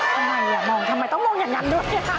ทำไมมองทำไมต้องมองอย่างนั้นด้วย